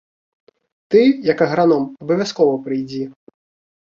Ты, як аграном, абавязкова прыйдзі.